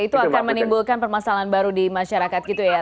itu akan menimbulkan permasalahan baru di masyarakat gitu ya